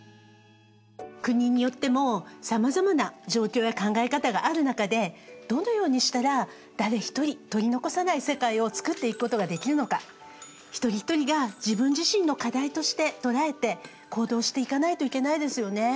国によってもさまざまな状況や考え方がある中でどのようにしたら誰一人取り残さない世界を創っていくことができるのか一人一人が自分自身の課題として捉えて行動していかないといけないですよね。